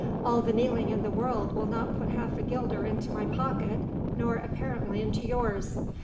"All the kneeling in the world will not put half a guilder into my pocket nor apparently into yours."